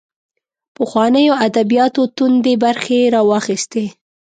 پخوانیو ادبیاتو توندۍ برخې راواخیستې